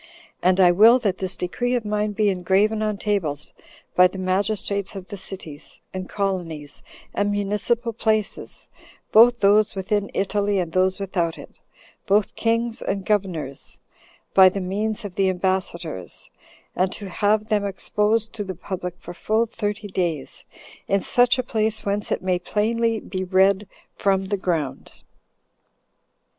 And I will that this decree of mine be engraven on tables by the magistrates of the cities, and colonies, and municipal places, both those within Italy and those without it, both kings and governors, by the means of the ambassadors, and to have them exposed to the public for full thirty days, in such a place whence it may plainly be read from the ground."